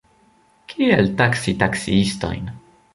Kiel taksi taksiistojn?